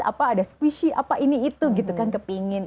apa ada squishy apa ini itu gitu kan kepingin